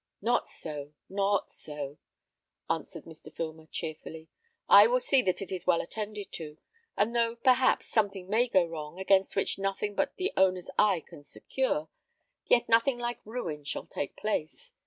"Not so, not so," answered Mr. Filmer, cheerfully. "I will see that it is well attended to; and though, perhaps, something may go wrong, against which nothing but the owner's eye can secure, yet nothing like ruin shall take place.